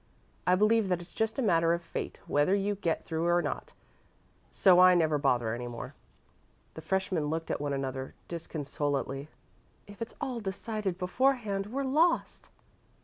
I believe that it's just a matter of fate whether you get through or not, so I never bother any more." The freshmen looked at one another disconsolately. "If it's all decided beforehand, we're lost."